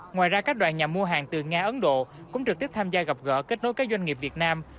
ngoài ra các đoàn nhà mua hàng từ nga ấn độ cũng trực tiếp tham gia gặp gỡ kết nối các doanh nghiệp việt nam